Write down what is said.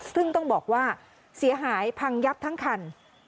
ซึ่งต้องบอกว่าเสียหายพังยับทั้งคัน